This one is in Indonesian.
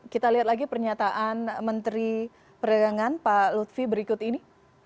kenyataan menteri perdagangan pak lutfi berikut ini